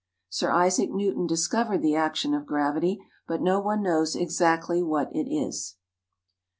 Sir Isaac Newton discovered the action of gravity, but no one knows exactly what it is.